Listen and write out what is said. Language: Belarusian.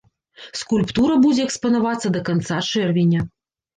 Скульптура будзе экспанавацца да канца чэрвеня.